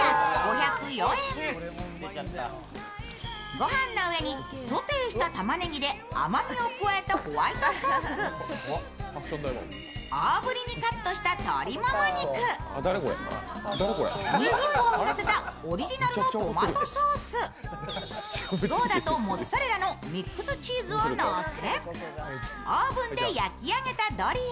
ごはんの上にソテーしたたまねぎで甘みを加えたホワイトソース、大ぶりにカットした鶏もも肉、にんにくを効かせたオリジナルのトマトソースゴーダとモッツァレラのミックスチーズをのせオーブンで焼き上げたドリア。